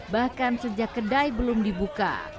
bahkan sejak kedai belum dibuka